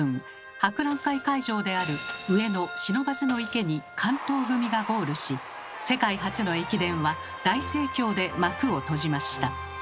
博覧会会場である上野不忍池に関東組がゴールし世界初の駅伝は大盛況で幕を閉じました。